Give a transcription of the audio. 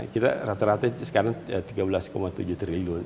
kita rata rata sekarang tiga belas tujuh triliun